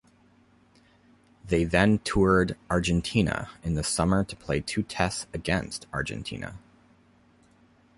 They then toured Argentina in the summer to play two tests against Argentina.